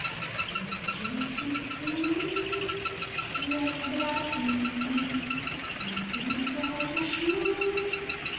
] Is John Smith within? Yes, that he is. Can he set a shoe?